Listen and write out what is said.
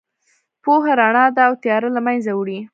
پوهه رڼا ده او تیاره له منځه وړي.